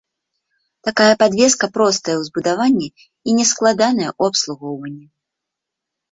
Такая падвеска простая ў збудаванні і не складаная ў абслугоўванні.